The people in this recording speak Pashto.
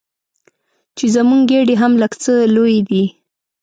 چې زموږ ګېډې هم لږ څه لویې دي.